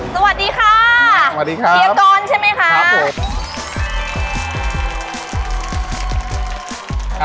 สวัสดีค่ะเชียวกรใช่ไหมคะ